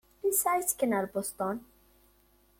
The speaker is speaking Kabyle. Ansa i ttekken ar Boston?